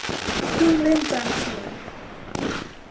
เครื่องเล่นจานเสียง